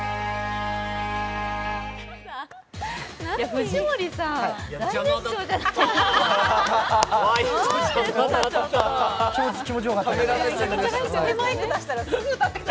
藤森さん、大熱唱じゃないですか。